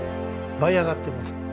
舞い上がってます。